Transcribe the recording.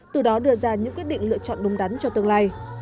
từ đó đưa ra những quyết định lựa chọn đúng đắn cho tương lai